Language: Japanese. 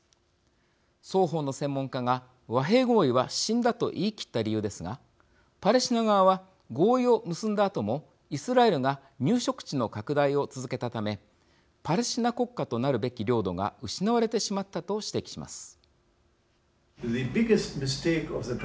双方の専門家が和平合意は死んだと言い切った理由ですがパレスチナ側は合意を結んだあともイスラエルが入植地の拡大を続けたためパレスチナ国家となるべき領土が失われてしまったと指摘します。